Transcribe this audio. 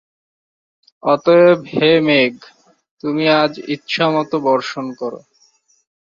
অতএব হে মেঘ, তুমি আজ ইচ্ছামত বর্ষণ কর।